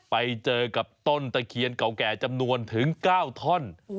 ไปเจอกับต้นตะเคียนเก่าแก่จำนวนถึง๙ท่อน